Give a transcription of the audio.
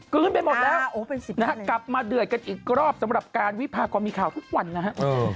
กลิ้นไปหมดแล้วมาเดือดกันอีกรอบกับการวิพาการมีข่าวทุกวันนะฮะ